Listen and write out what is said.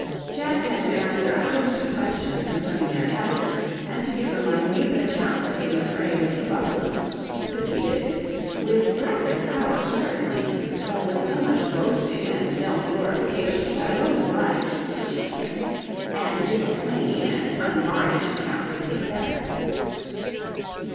Jack had to answer a host of questions concerning their capture, and to give a minute account of the affray with the buffaloes. This he did, with graphic power certainly, but with so much boasting and self glorification that I was obliged to check him, and give a plain and unvarnished account of the affair.